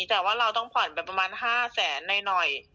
แต่ว่าเราต้องผ่อนเป็นประมาณ๕๐๐๐๐๐บาทในหน่อย